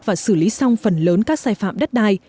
và xử lý xong phần lớn các sai phạm đất đai